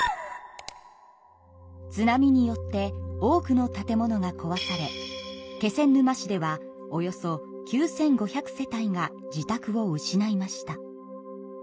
津波によって多くの建物がこわされ気仙沼市ではおよそ９，５００世帯が自宅を失いました。